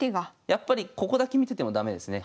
やっぱりここだけ見てても駄目ですね。